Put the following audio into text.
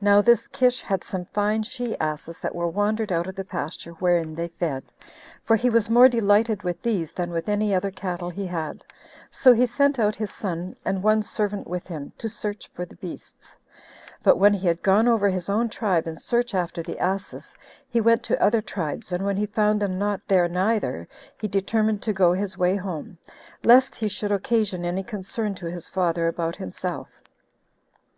Now this Kish had some fine she asses that were wandered out of the pasture wherein they fed, for he was more delighted with these than with any other cattle he had; so he sent out his son, and one servant with him, to search for the beasts; but when he had gone over his own tribe in search after the asses, he went to other tribes, and when he found them not there neither, he determined to go his way home, lest he should occasion any concern to his father about himself.